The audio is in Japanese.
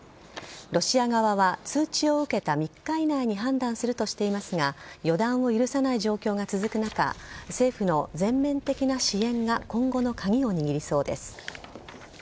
ロシア側は通知を受けた３日以内に判断するとしていますが予断を許さない状況が続く中政府の全面的な支援が今後の鍵を握りそうです。